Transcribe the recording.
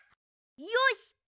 よし！